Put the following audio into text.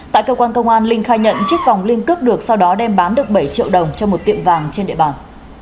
tại cơ quan công an linh khai nhận trước vòng linh cướp được sau đó đem bán được bảy triệu đồng cho một tiệm vàng trên địa bàn